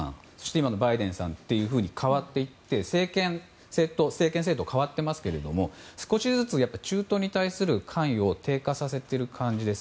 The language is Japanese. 今のバイデンさんと政権政党も変わっていますが少しずつ中東に対する関与を低下させている感じです。